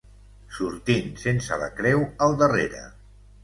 Sortint sense la creu al darrere.